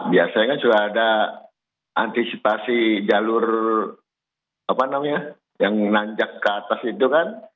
biasanya kan sudah ada antisipasi jalur yang nanjak ke atas itu kan